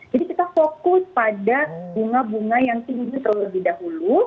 jadi kita fokus pada bunga bunga yang tinggi terlebih dahulu